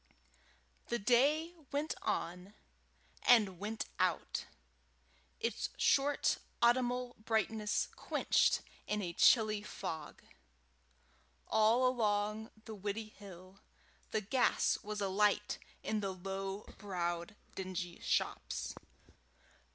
The day went on, and went out, its short autumnal brightness quenched in a chilly fog. All along the Widdiehill, the gas was alight in the low browed dingy shops.